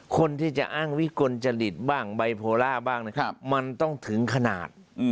คนที่จะอ้างวิกลจริตบ้างไบโพล่าบ้างมันต้องถึงขนาด